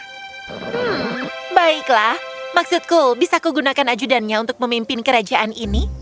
hmm baiklah maksudku bisa aku gunakan ajudannya untuk memimpin kerajaan ini